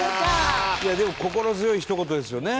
いやでも心強いひと言ですよね。